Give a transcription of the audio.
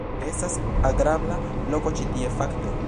- Estas agrabla loko ĉi tie, fakte.